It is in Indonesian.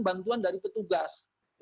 bantuan dari petugas